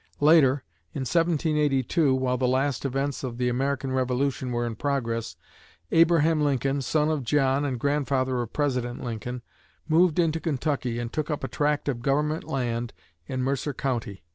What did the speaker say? Later, in 1782, while the last events of the American Revolution were in progress, Abraham Lincoln, son of John and grandfather of President Lincoln, moved into Kentucky and took up a tract of government land in Mercer County.